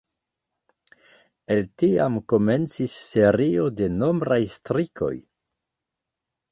El tiam komencis serio de nombraj strikoj.